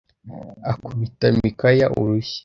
akubita Mikaya urushyi